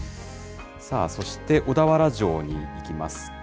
そして、小田原城にいきます。